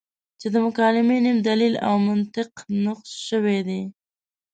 چې د مکالمې نیم دلیل او منطق نقص شوی دی.